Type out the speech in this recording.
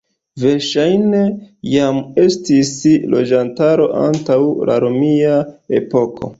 Verŝajne jam estis loĝantaro antaŭ la romia epoko.